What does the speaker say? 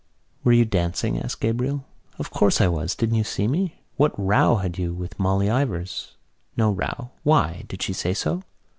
"Were you dancing?" asked Gabriel. "Of course I was. Didn't you see me? What row had you with Molly Ivors?" "No row. Why? Did she say so?"